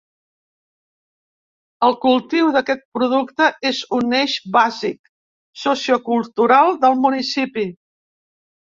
El cultiu d’aquest producte és un eix bàsic sociocultural del municipi.